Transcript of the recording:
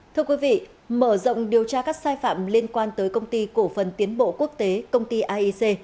thưa quý vị mở rộng điều tra các sai phạm liên quan tới công ty cổ phần tiến bộ quốc tế công ty aic